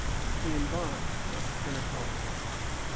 He embarked at ten o'clock.